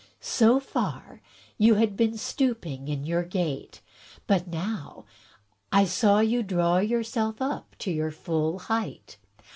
So far, you had been stooping in your gait; but now I saw you draw yourself up to your full height.